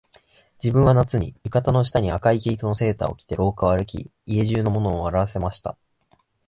自分は夏に、浴衣の下に赤い毛糸のセーターを着て廊下を歩き、家中の者を笑わせました